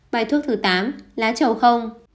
bài thuốc thứ tám lá trầu không